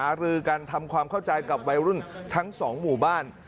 รือกันทำความเข้าใจกับวัยรุ่นทั้งสองหมู่บ้าน